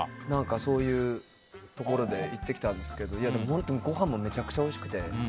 そういうところに行ってきたんですけどごはんもめちゃくちゃおいしくて。